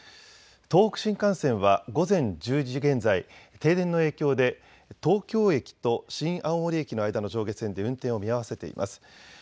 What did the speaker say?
東北新幹線は午前１０時現在、停電の影響で東京駅と新青森駅の間の上下線で運転を見合わせています。